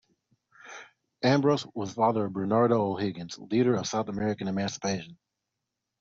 Ambrose was father of Bernardo O'Higgins, leader of South American emancipation.